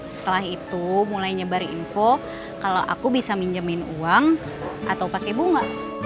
setelah itu mulai nyebarin info kalau aku bisa minjemin uang atau pakai bunga